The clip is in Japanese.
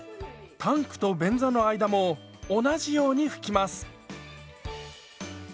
タンクと便座の間も同じように拭きます。